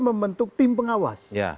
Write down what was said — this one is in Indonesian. membentuk tim pengawas